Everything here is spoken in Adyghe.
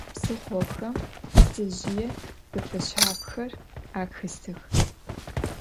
Psıxhoxem ptsezjıê zefeşshafxer axesıx.